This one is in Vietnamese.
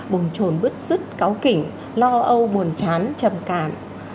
bồn trồn bứt xứt cáu kỉnh lo âu buồn chán trầm cảm